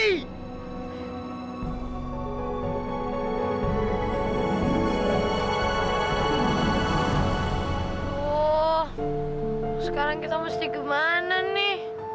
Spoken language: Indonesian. uh sekarang kita mesti kemana nih